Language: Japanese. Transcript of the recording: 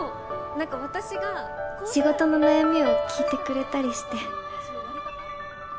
何か私が仕事の悩みを聞いてくれたりして。